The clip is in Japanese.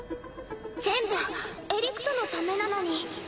全部エリクトのためなのに。